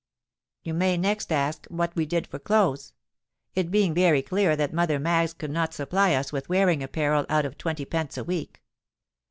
"You may next ask what we did for clothes—it being very clear that Mother Maggs could not supply us with wearing apparel out of twenty pence a week.